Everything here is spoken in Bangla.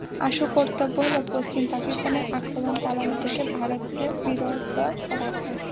আশু কর্তব্য হলো, পশ্চিম পাকিস্তানে আক্রমণ চালানো থেকে ভারতকে বিরত রাখা।